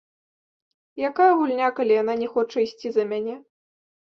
Якая гульня, калі яна не хоча ісці за мяне.